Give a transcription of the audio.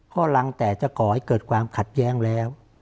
ก็รังแต่จะก่อให้เกิดความขัดแย้งแล้ว